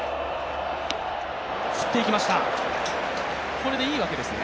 これでいいわけですね？